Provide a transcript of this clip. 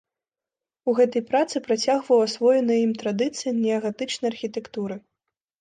У гэтай працы працягваў асвоеныя ім традыцыі неагатычнай архітэктуры.